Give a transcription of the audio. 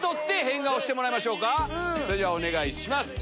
それじゃお願いします。